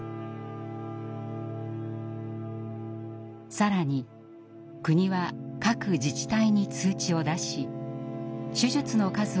更に国は各自治体に通知を出し手術の数を増やすよう奨励していました。